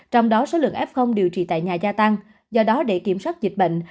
trong đó số lượng f điều trị tại nhà gia tăng do đó để kiểm soát dịch bệnh